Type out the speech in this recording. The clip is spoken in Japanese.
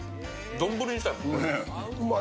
丼にしたい。